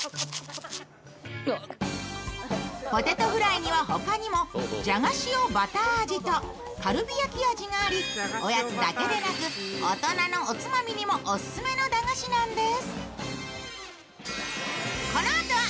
ポテトフライには他にも、じゃが塩バター味とカルビ焼き味があり、おやつだけでなく大人のおつまみにもオススメの駄菓子なんです。